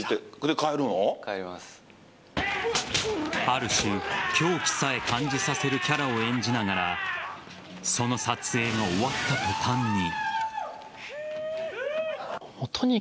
ある種、狂気さえ感じさせるキャラを演じながらその撮影が終わった途端に。